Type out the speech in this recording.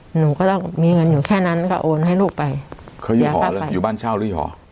หนูก็ต้องมีเงินอยู่แค่นั้นก็โอนให้ลูกไปเขาอยู่หอเลยอยู่บ้านเช่าหรือหอ